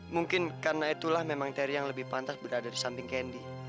mungkin karena itulah memang teri yang lebih pantas berada di samping kendi